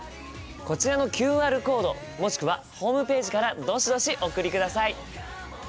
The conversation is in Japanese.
こちらのＱＲコードもしくはホームページからどしどしお送りください！